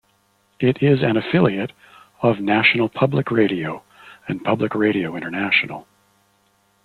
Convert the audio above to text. It is an affiliate of National Public Radio and Public Radio International.